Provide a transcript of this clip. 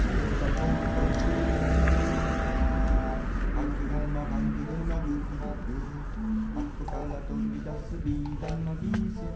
「トンカチ」「はぐるまはぐるまぐるぐる」「はこからとびだすビーだま・ビーすけ」